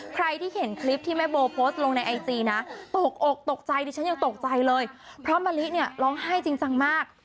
ใครที่เห็นคลิปที่แม่โบโพสต์ลงในไอจีนะตกอกตกใจดิฉันยังตกใจเลยเพราะมะลิเนี่ยร้องไห้จริงจังมาก